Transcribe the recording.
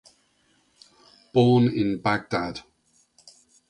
Born in Baghdad.